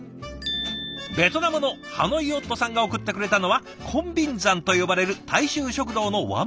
ベトナムのハノイ夫さんが送ってくれたのはコンビンザンと呼ばれる大衆食堂のワンプレートランチ。